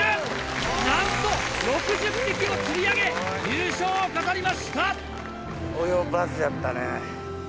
なんと６０匹を釣り上げ優勝を飾りました！